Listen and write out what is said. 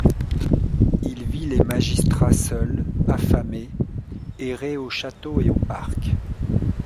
Il vit les magistrats seuls, affamés, errer au château et au parc.